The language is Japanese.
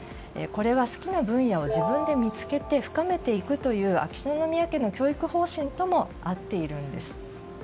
これは好きな分野を自分で見つけ深めていくという秋篠宮家の教育方針とも合っているんです。